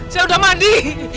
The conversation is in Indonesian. saya sudah mandi